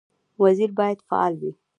وزیر باید فعال وي